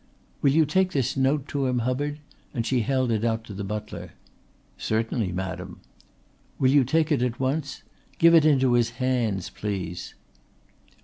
"Will you take this note to him, Hubbard?" and she held it out to the butler. "Certainly, madam." "Will you take it at once? Give it into his hands, please."